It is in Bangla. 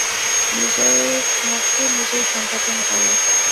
নিজের মুক্তি নিজেই সম্পাদন কর।